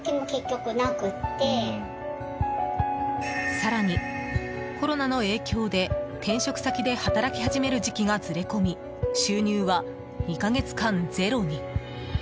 更にコロナの影響で、転職先で働き始める時期がずれ込み収入は２か月間ゼロに。